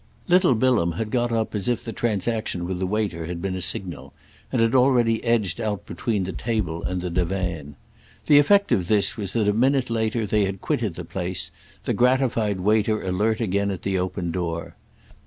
Little Bilham had got up as if the transaction with the waiter had been a signal, and had already edged out between the table and the divan. The effect of this was that a minute later they had quitted the place, the gratified waiter alert again at the open door.